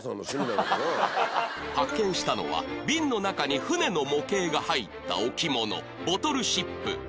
発見したのは瓶の中に船の模型が入った置物ボトルシップ